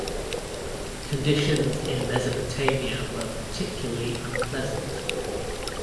Conditions in Mesopotamia were particularly unpleasant.